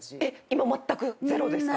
今まったくゼロですか？